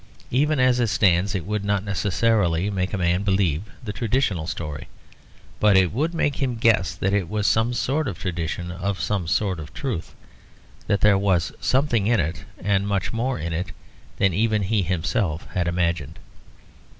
Even as it stands, it would not necessarily make a man believe the traditional story, but it would make him guess that it was some sort of tradition of some sort of truth; that there was something in it, and much more in it than even he himself had imagined.